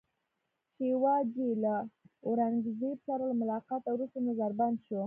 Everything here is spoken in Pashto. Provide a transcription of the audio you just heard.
شیوا جي له اورنګزېب سره له ملاقاته وروسته نظربند شو.